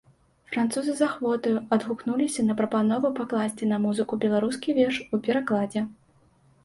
Французы з ахвотаю адгукнуліся на прапанову пакласці на музыку беларускі верш у перакладзе.